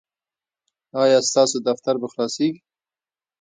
ایا ستاسو دفتر به خلاصیږي؟